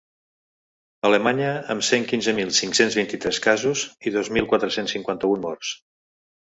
Alemanya, amb cent quinze mil cinc-cents vint-i-tres casos i dos mil quatre-cents cinquanta-un morts.